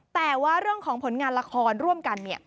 แต่ว่าเรื่องของผลงานละครร่วมกัน